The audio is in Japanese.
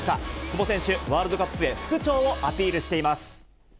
久保選手、ワールドカップへ復調をアピールしています。